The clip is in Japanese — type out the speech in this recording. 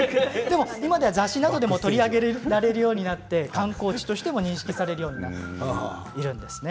今では雑誌などでも取り上げるようになって観光地としても認識されるようになりました。